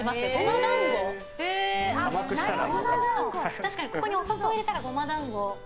確かにここにお砂糖入れたらゴマ団子。